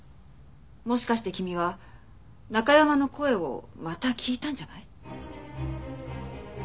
もしかして君はナカヤマの声をまた聞いたんじゃない？